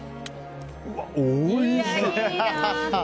うわ、おいしい！